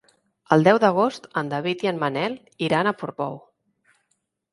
El deu d'agost en David i en Manel iran a Portbou.